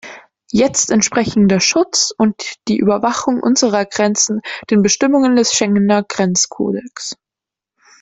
Jetzt entsprechen der Schutz und die Überwachung unserer Grenzen den Bestimmungen des Schengener Grenzkodex.